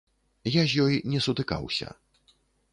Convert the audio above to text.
Я з ёй не сутыкаўся.